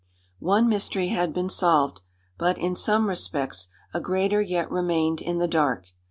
One mystery had been solved; but, in some respects, a greater yet remained in the dark.